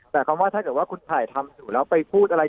แต่คำว่าถ้าเกิดว่าคุณถ่ายทำอยู่แล้วไปพูดอะไร